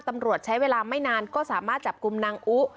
ตำรวจใช้เวลาไม่นานก็สามารถจับกลุ่มนางอุ